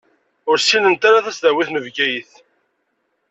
Ur ssinent ara tasdawit n Bgayet.